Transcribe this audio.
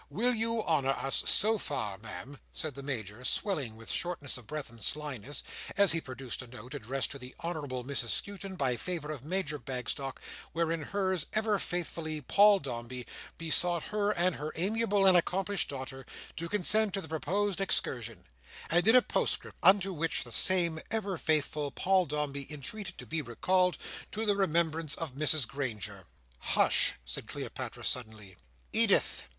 Will you honour us so far, Ma'am?" said the Major, swelling with shortness of breath and slyness, as he produced a note, addressed to the Honourable Mrs Skewton, by favour of Major Bagstock, wherein hers ever faithfully, Paul Dombey, besought her and her amiable and accomplished daughter to consent to the proposed excursion; and in a postscript unto which, the same ever faithfully Paul Dombey entreated to be recalled to the remembrance of Mrs Granger. "Hush!" said Cleopatra, suddenly, "Edith!"